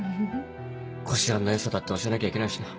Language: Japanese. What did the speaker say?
こしあんの良さだって教えなきゃいけないしな。